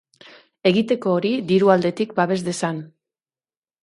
Egiteko hori diru aldetik babes dezan.